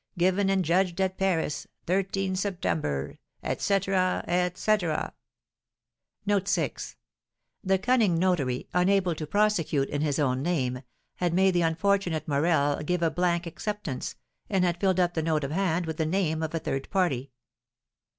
Given and judged at Paris, 13 September, etc., etc." The cunning notary, unable to prosecute in his own name, had made the unfortunate Morel give a blank acceptance, and had filled up the note of hand with the name of a third party.